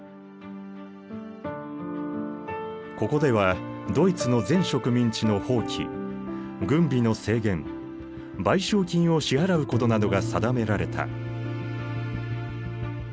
ここではドイツの全植民地の放棄軍備の制限賠償金を支払うことなどが定められた。